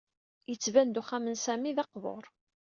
Yettban-d uxxam n Sami d aqbur.